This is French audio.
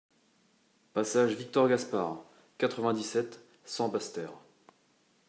Passage Victor Gaspard, quatre-vingt-dix-sept, cent Basse-Terre